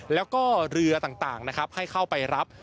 แล้วก็เรือต่างนะครับให้เข้าไปรับ